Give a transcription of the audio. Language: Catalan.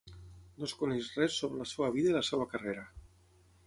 No es coneix res sobre la seva vida i la seva carrera.